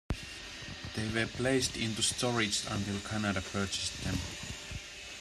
They were placed into storage until Canada purchased them.